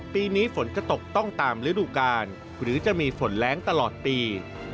ปีนี้ฝนจะตกต้องตามฤดูกาลหรือจะมีฝนแรงตลอดปี